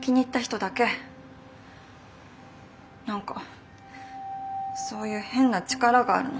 何かそういう変な力があるの。